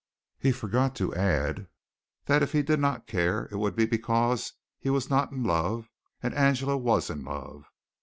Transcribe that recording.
He forgot to add that if he did not care it would be because he was not in love, and Angela was in love.